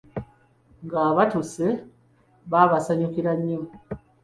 Nga batuuse, baabasanyukira nnyo.